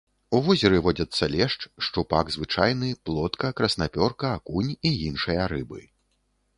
У возеры водзяцца лешч, шчупак звычайны, плотка, краснапёрка, акунь і іншыя рыбы.